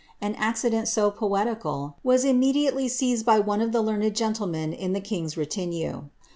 An accident so poetical was imme diately seized by one of the learned gentlemen in the king^s retinue.